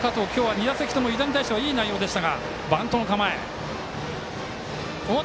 ２打席とも、湯田に対してはいい内容でした。